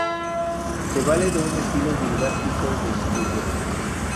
Se vale de un estilo didáctico de escritura.